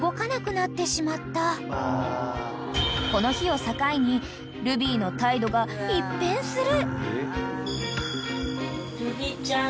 ［この日を境にルビーの態度が一変する］